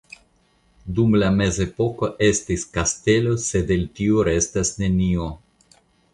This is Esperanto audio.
Dum la Mezepoko estis kastelo sed el tio restas nenio.